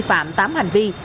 phạm tám hành vi